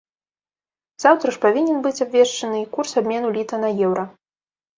Заўтра ж павінен быць абвешчаны і курс абмену літа на еўра.